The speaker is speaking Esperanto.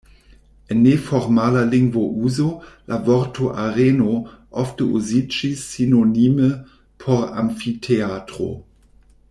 En neformala lingvouzo la vorto areno ofte uziĝis sinonime por "amfiteatro".